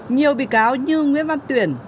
nhiều bị cáo như nguyễn văn tuyển